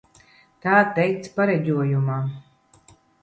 Tā teikts pareģojumā.